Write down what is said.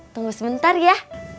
tunggu sebentar ya